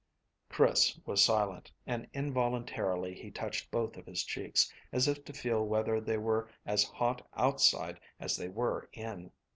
Chris was silent, and involuntarily he touched both of his cheeks, as if to feel whether they were as hot outside as they were in.